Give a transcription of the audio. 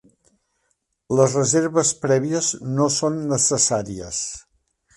Les reserves prèvies no són necessàries.